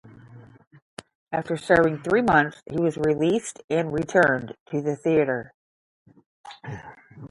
After serving three months he was released and returned to the theatre.